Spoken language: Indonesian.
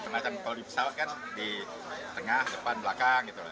kalau di pesawat kan di tengah depan belakang gitu